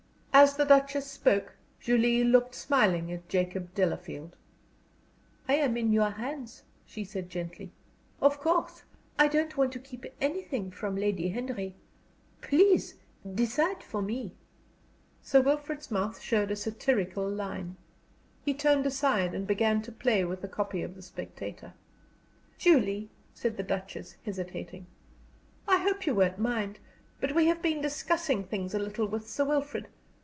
As the Duchess spoke, Julie looked smiling at Jacob Delafield. "I am in your hands," she said, gently. "Of course I don't want to keep anything from Lady Henry. Please decide for me." Sir Wilfrid's mouth showed a satirical line. He turned aside and began to play with a copy of the Spectator. "Julie," said the Duchess, hesitating, "I hope you won't mind, but we have been discussing things a little with Sir Wilfrid.